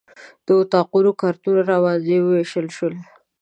د اتاقونو کارتونه راباندې ووېشل شول.